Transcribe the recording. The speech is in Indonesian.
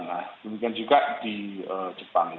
nah demikian juga di jepang